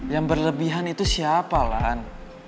yang berlebihan itu siapa kan